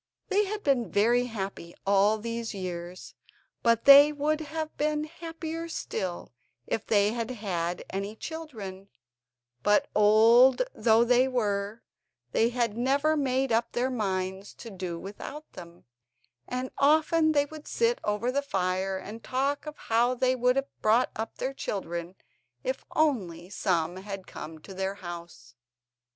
They had been very happy all these years, but they would have been happier still if they had had any children; but old though they were they had never made up their minds to do without them, and often they would sit over the fire and talk of how they would have brought up their children if only some had come to their house.